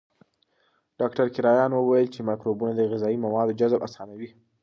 ډاکټر کرایان وویل چې مایکروبونه د غذایي موادو جذب اسانوي.